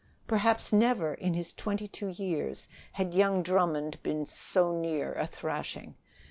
Perhaps never in his twenty two years had young Drummond been so near a thrashing.